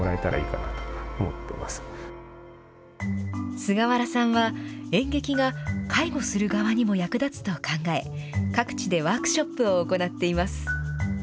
菅原さんは、演劇が介護する側にも役立つと考え、各地でワークショップを行っています。